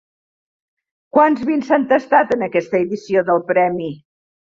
Quants vins s'han tastat per aquesta edició del premi?